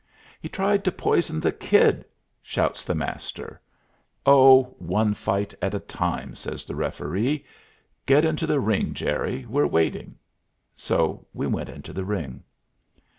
"He tried to poison the Kid!" shouts the Master. "Oh, one fight at a time," says the referee. "Get into the ring, Jerry. We're waiting." So we went into the ring.